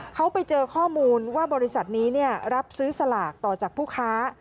เขาไปเจอข้อมูลว่าบริษัทนี้รับซื้อสลากต่อจากผู้ค้า